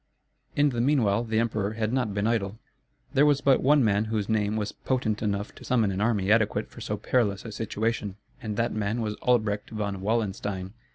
In the meanwhile the emperor had not been idle. There was but one man whose name was potent enough to summon an army adequate for so perilous a situation; and that man was Albrecht von Wallenstein.